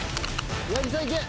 八木さんいけ。